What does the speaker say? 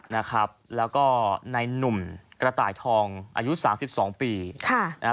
นะครับแล้วก็ในหนุ่มกระต่ายทองอายุสามสิบสองปีค่ะนะฮะ